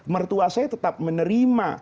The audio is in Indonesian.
mertua saya tetap menerima